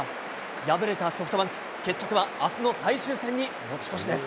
敗れたソフトバンク、決着はあすの最終戦に持ち越しです。